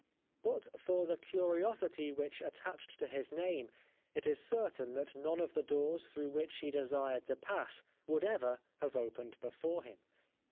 But for the curiosity which attached to his name it is certain that none of the doors through which he desired to pass would ever have opened before him.